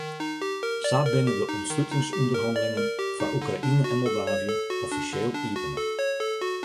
Sa binne de oanslutingsûnderhannelingen foar Oekraïne en Moldavië offisjeel iepene.